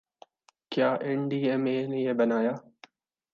کیا NDMA نے یہ بنایا